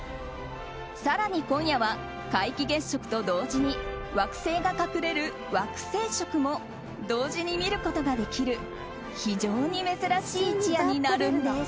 更に今夜は皆既月食と同時に惑星が隠れる惑星食も同時に見ることができる非常に珍しい一夜になるんです。